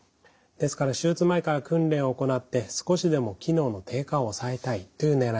ですから手術前から訓練を行って少しでも機能の低下を抑えたいというねらいがあります。